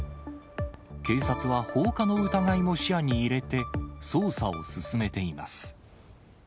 警察は放火の疑いも視野に入れて、捜査を進めています。